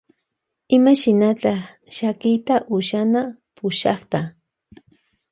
Imashnata shakiyta ushana pushakta.